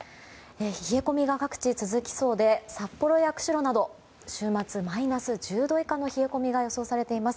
冷え込みが各地、続きそうで札幌や釧路など、週末マイナス１０度以下の冷え込みが予想されています。